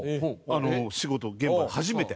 仕事現場で初めて。